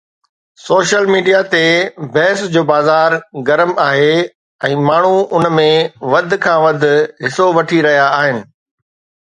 Social media تي بحث جو بازار گرم آهي ۽ ماڻهو ان ۾ وڌ کان وڌ حصو وٺي رهيا آهن.